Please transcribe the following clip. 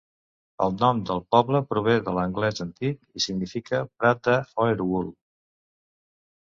El nom del poble prové de l'anglès antic i significa "prat de Heoruwulf".